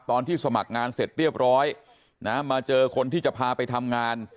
ตอนที่สมัครงานเสร็จเรียบร้อยนะมาเจอคนที่จะพาไปทำงาน